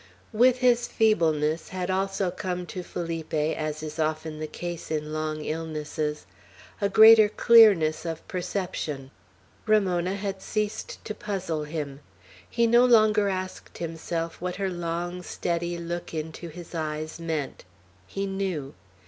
With his feebleness had also come to Felipe, as is often the case in long illnesses, a greater clearness of perception. Ramona had ceased to puzzle him. He no longer asked himself what her long, steady look into his eyes meant. He knew.